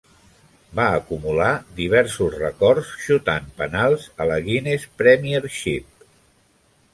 Va acumular diversos records xutant penals a la Guinness Premiership.